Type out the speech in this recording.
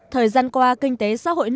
thời gian qua kinh tế xã hội nổi tiếng